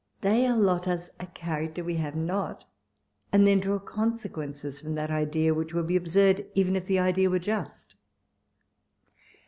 They allot us a character we have not, and then draw consequences from that idea, which would be absurd, even if the idea were just.